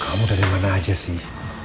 kamu dari mana aja sih